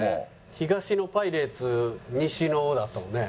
東のパイレーツ西のだったもんね。